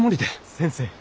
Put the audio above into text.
先生！